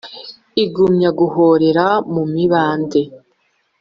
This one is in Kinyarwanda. Igumya guhorera mu mibande,